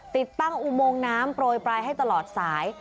ติดตั้งอุโมงน้ำโปรยปลายให้ตลอดสาย